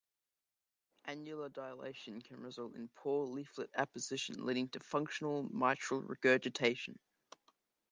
Annular dilatation can result in poor leaflet apposition, leading to functional mitral regurgitation.